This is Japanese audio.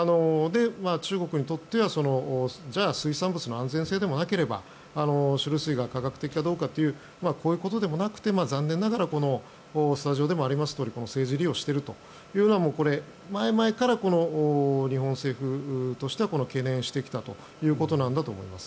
中国にとってはじゃあ水産物の安全性でもなければ処理水が科学的かというこういうことでもなくて残念ながらスタジオでもありますとおり政治利用しているというのは前々から日本政府としては懸念してきたということなんだと思います。